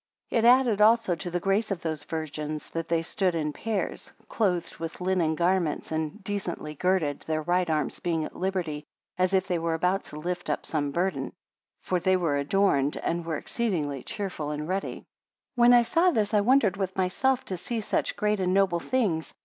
16 It added also to the grace of those virgins, that they stood in pairs, clothed with linen garments, and decently girded, their right arms being at liberty, as if they were about to lift up some burthen; for so they were adorned, and were exceeding cheerful and ready. 17 When I saw this, I wondered with myself to see such great and noble things.